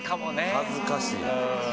恥ずかしい。